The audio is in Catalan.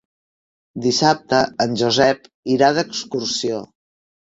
Dissabte en Josep irà d'excursió.